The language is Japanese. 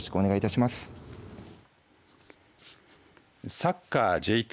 サッカーＪ２